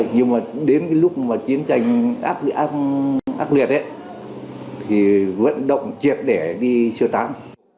nhưng mà đến lúc mà chiến tranh ác liệt ấy thì vận động chẹp để đi sơ tán